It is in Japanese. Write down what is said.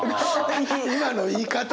今の言い方！